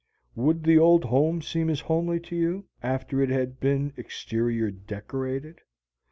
Would the old home seem as homely to you, after it had been exterior decorated?